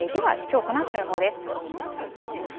では、きょうこのあとの予報です。